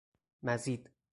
مزید